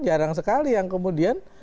jarang sekali yang kemudian